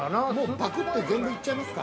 ◆ぱくっと全部いっちゃいますか。